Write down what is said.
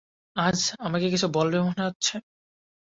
আজ আমাকে কিছু বলবে মনে হচ্ছে?